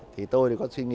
thì tôi có suy nghĩ